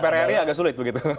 kalau dpr ri agak sulit begitu